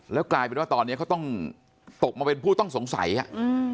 แล้วกลายเป็นว่าตอนเนี้ยเขาต้องตกมาเป็นผู้ต้องสงสัยอ่ะอืม